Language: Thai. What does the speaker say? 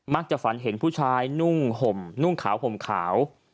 มักจะฝันเห็นผู้ชายนุ่งขาวห่มขาว